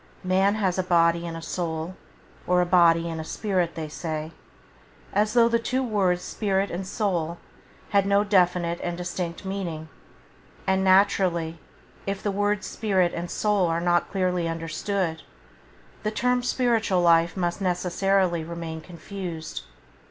Man has a body and soul, or a body and spirit they say, as though the two words spirit and soul had no definite and distinct meaning; and naturally if the words spirit and soul are not clearly understood, the term spiritual life must necessarily remain confused.